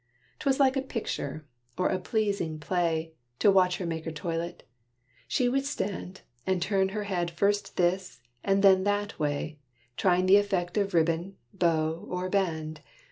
'T was like a picture, or a pleasing play, To watch her make her toilet. She would stand, And turn her head first this and then that way, Trying effect of ribbon, bow or band.